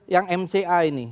yang mca ini